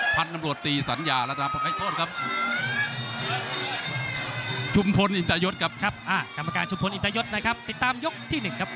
พัทนำโลศตีสัญญาหรัชราบขอเคยโทษครับ